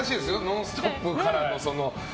「ノンストップ！」から。